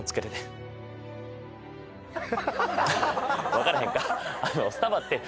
分からへんか。